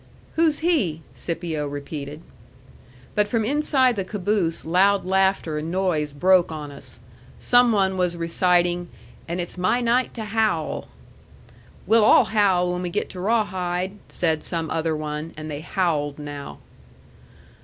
"Who's he?" Scipio repeated. But from inside the caboose loud laughter and noise broke on us. Some one was reciting "And it's my night to howl." "We'll all howl when we get to Rawhide," said some other one; and they howled now.